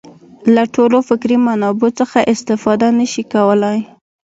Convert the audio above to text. له ټولو فکري منابعو څخه استفاده نه شي کولای.